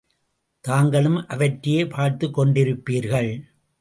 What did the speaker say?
தாங்களும் அவற்றையே பார்த்துக் கொண்டிருப்பீர்கள்!